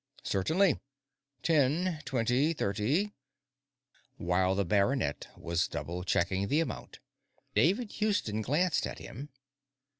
"Certainly. Ten, twenty, thirty, ..." While the baronet was double checking the amount, David Houston glanced at him.